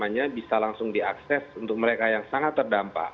semuanya bisa langsung diakses untuk mereka yang sangat terdampak